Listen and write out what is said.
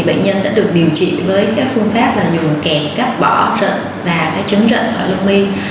bệnh nhân đã được điều trị với phương pháp dùng kẹp cắt bỏ rợn và trứng rợn ở lông mi